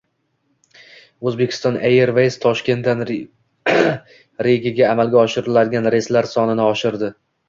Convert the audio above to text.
Uzbekistan Airways Toshkentdan Rigaga amalga oshiriladigan reyslar sonini oshirdi